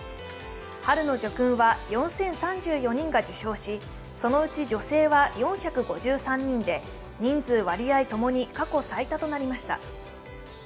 春の叙勲は４０３４人が受章し、そのうち女性は４５３人で、人数・割合共に過去最多となりました。